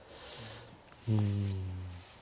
うん。